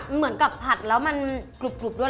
เหมือนกับผัดแล้วมันกรุบด้วย